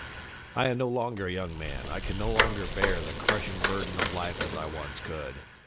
I am no longer a young man. I can no longer bear the crushing burden of life as I once could.